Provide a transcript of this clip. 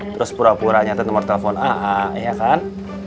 terus pura pura nyata nomor telepon aa ya kan